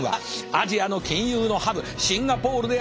アジアの金融のハブシンガポールであります。